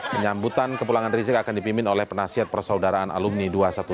penyambutan kepulangan rizik akan dipimpin oleh penasihat persaudaraan alumni dua ratus dua belas